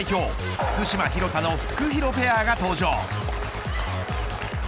福島、廣田のフクヒロペアが登場。